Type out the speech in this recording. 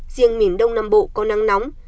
riêng miền đông nam bộ có nắng nóng